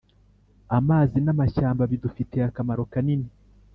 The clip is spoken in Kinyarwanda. amazi n’amashyamba bidufitiye akamaro kanini,